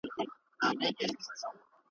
دومره مړه کي په ښارونو کي وګړي ,